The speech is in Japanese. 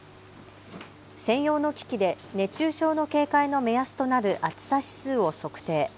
専用の機器で熱中症の警戒の目安となる暑さ指数を測定。